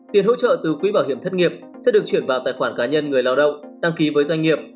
tiền hỗ trợ từ quỹ bảo hiểm thất nghiệp sẽ được chuyển vào tài khoản cá nhân người lao động đăng ký với doanh nghiệp